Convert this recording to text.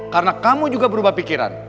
karena kamu juga berubah pikiran